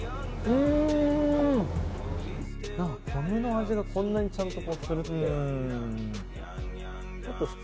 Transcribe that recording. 米の味がこんなにちゃんとするって。